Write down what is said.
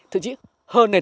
thật chứ hơn này